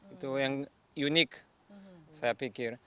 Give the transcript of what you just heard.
itu yang unik saya pikir